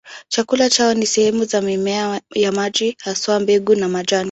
Chakula chao ni sehemu za mimea ya maji, haswa mbegu na majani.